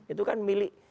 itu kan milih